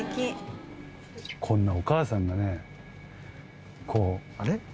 こんなお母さんがねこう作りながら